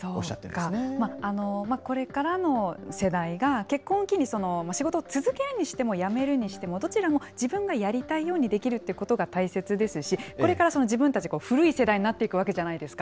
そうか、これからの世代が結婚を機に、仕事を続けるにしても辞めるにしても、どちらも自分がやりたいようにできるっていうことが大切ですし、これから自分たち、古い世代になっていくわけじゃないですか。